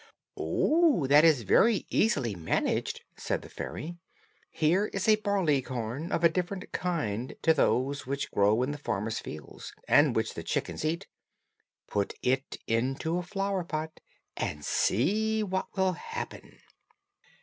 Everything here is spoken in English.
"Oh, that can be easily managed," said the fairy. "Here is a barleycorn of a different kind to those which grow in the farmer's fields, and which the chickens eat; put it into a flower pot, and see what will happen."